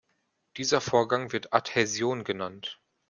Dieser Vorgang wird Adhäsion genannt.